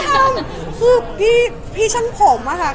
พอเสร็จจากเล็กคาเป็ดก็จะมีเยอะแยะมากมาย